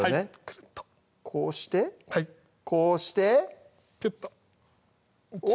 くるっとこうしてこうしてピュッとおっ！